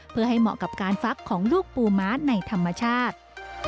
เพื่อให้เหมาะกับการฟักของลูกปูม้าในธรรมชาติ